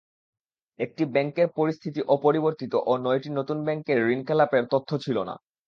একটি ব্যাংকের পরিস্থিতি অপরিবর্তিত ও নয়টি নতুন ব্যাংকের ঋণখেলাপের তথ্য ছিল না।